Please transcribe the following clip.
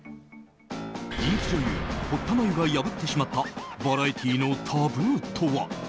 人気女優・堀田真由が破ってしまったバラエティーのタブーとは？